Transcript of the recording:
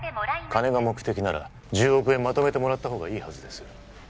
金が目的なら１０億円まとめてもらったほうがいいはずです